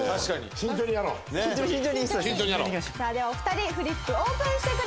慎重にやろう」「さあではお二人フリップオープンしてください」